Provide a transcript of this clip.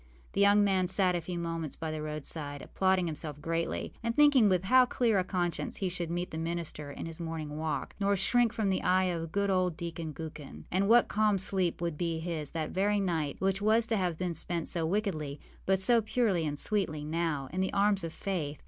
The young man sat a few moments by the roadside, applauding himself greatly, and thinking with how clear a conscience he should meet the minister in his morning walk, nor shrink from the eye of good old Deacon Gookin. And what calm sleep would be his that very night, which was to have been spent so wickedly, but so purely and sweetly now, in the arms of Faith!